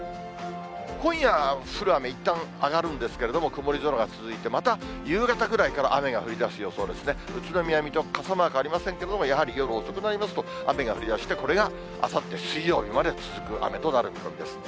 今夜降る雨、いったん、上がるんですけれども、曇り空が続いて、また夕方ぐらいから雨が降りだす予想ですね、宇都宮、水戸、傘マークありませんけれども、やはり夜遅くになりますと、雨が降りだしてこれがあさって水曜日まで続く雨となる見込みです。